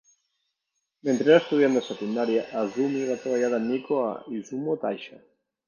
Mentre era estudiant de secundària, Esumi va treballar de "miko" a Izumo-taisha.